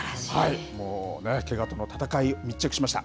もうね、けがとの闘い、密着しました。